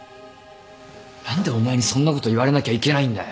何でお前にそんなこと言われなきゃいけないんだよ。